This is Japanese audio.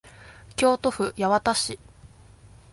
京都府八幡市